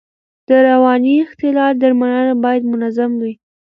د رواني اختلال درملنه باید منظم وي.